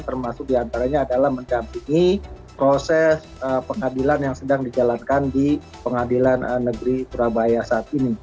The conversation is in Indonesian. termasuk diantaranya adalah mendampingi proses pengadilan yang sedang dijalankan di pengadilan negeri surabaya saat ini